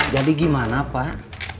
jadi gimana pak